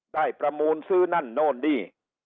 ประมูลซื้อนั่นโน่นนี่